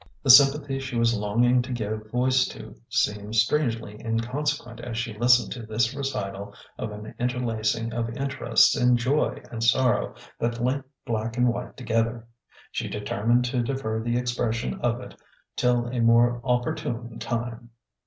The sympathy she was longing to give voice to seemed strangely inconsequent as she listened to this recital of an interlacing of interests in joy and sor row that linked black and white together. She deter mined to defer the expression of it till a more opportune time.